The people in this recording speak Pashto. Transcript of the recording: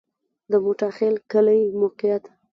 د موټاخیل کلی موقعیت